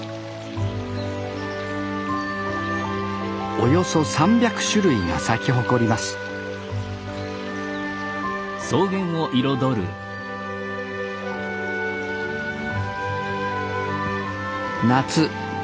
およそ３００種類が咲き誇ります夏。